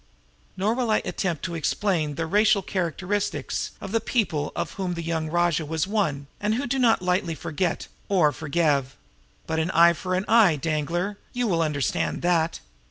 Nor will I attempt to explain the racial characteristics of the people of whom the young rajah was one, and who do not lightly forget or forgive. But an eye for an eye, Danglar you will understand that.